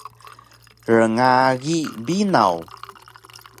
Rngagi binaw!